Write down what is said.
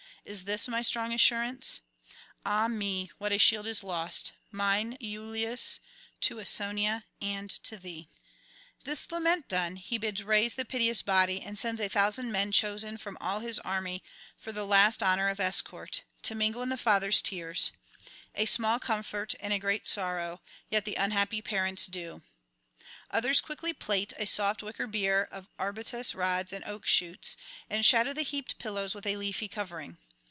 is this my strong assurance? Ah me, what a shield is lost, mine Iülus, to Ausonia and to thee!' [59 96]This lament done, he bids raise the piteous body, and sends a thousand men chosen from all his army for the last honour of escort, to mingle in the father's tears; a small comfort in a great sorrow, yet the unhappy parent's due. Others quickly plait a soft wicker bier of arbutus rods and oak shoots, and shadow the heaped pillows with a leafy covering.